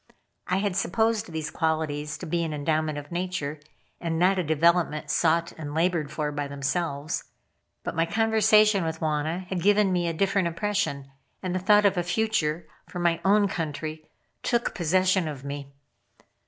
I had supposed these qualities to be an endowment of nature, and not a development sought and labored for by themselves. But my conversation with Wauna had given me a different impression, and the thought of a future for my own country took possession of me.